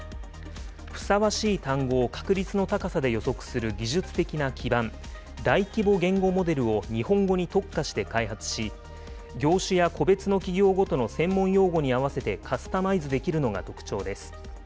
ふさわしい単語を確率の高さで予測する技術的な基盤、大規模言語モデルを日本語に特化して開発し、業種や個別の企業ごとの専門用語に合わせてカスタマイズできるのが特徴です。